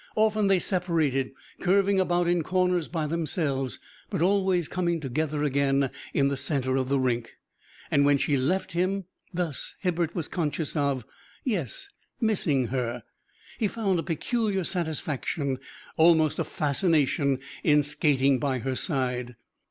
Often they separated, curving about in corners by themselves, but always coming together again in the centre of the rink; and when she left him thus Hibbert was conscious of yes, of missing her. He found a peculiar satisfaction, almost a fascination, in skating by her side.